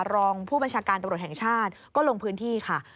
รองผู้บัญชาการตำรวจแห่งชาติก็ลงพื้นที่ค่ะ